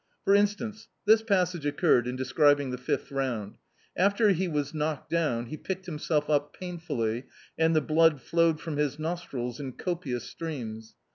For in stance, this passage occurred in describing the fifth round: "After he was knocked down, he picked himself up painfully, and the blood flowed from his nostrils in copious streams."